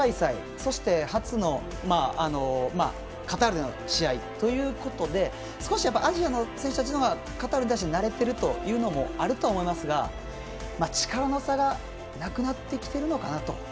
そして、初のカタールでの試合ということで少しアジアの選手たちの方がカタールに慣れているというのがあるとは思いますが、力の差がなくなってきてるのかなと。